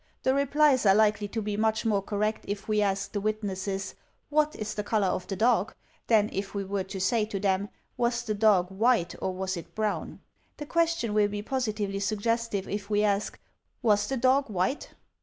The replies are likely to be much more correct if we ask the witnesses, "What is the colour of the dog?" than if we were to say to them, "Was the dog white, or was it brown?" The question will be positively suggestive if we ask, "Was the dog white?"